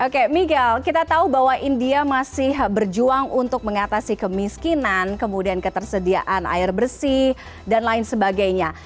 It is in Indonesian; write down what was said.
oke miguel kita tahu bahwa india masih berjuang untuk mengatasi kemiskinan kemudian ketersediaan air bersih dan lain sebagainya